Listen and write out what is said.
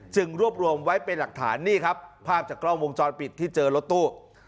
รวบรวมไว้เป็นหลักฐานนี่ครับภาพจากกล้องวงจรปิดที่เจอรถตู้